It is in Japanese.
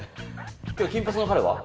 今日金髪の彼は？